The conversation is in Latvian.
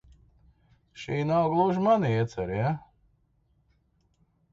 Šī nav gluži mana iecere, ja?